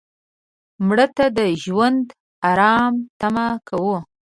مړه ته د ژوند آرام تمه کوو